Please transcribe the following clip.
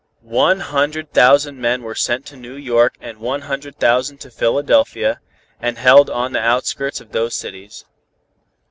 One hundred thousand men were sent to New York and one hundred thousand to Philadelphia, and held on the outskirts of those cities.